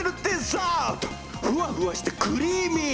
ふわふわしてクリーミー！